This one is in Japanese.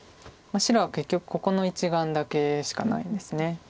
白は結局ここの１眼だけしかないです。